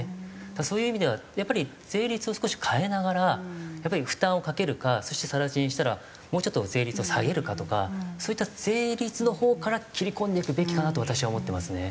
だからそういう意味ではやっぱり税率を少し変えながらやっぱり負担をかけるかそして更地にしたらもうちょっと税率を下げるかとかそういった税率のほうから切り込んでいくべきかなと私は思ってますね。